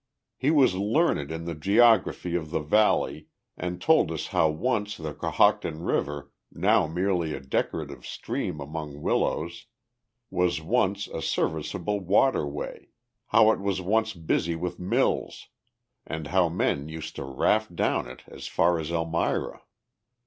He was learned in the geography of the valley and told us how once the Cohocton River, now merely a decorative stream among willows, was once a serviceable waterway, how it was once busy with mills, and how men used to raft down it as far as Elmira.